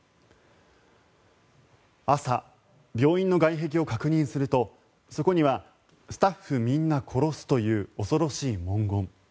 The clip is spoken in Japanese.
朝、病院の外壁を確認するとそこには「スタッフみんなコロス」という恐ろしい文言。